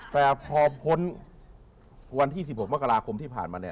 แต่พอพ้นวันที่๑๖มกราคมที่ผ่านมาเนี่ย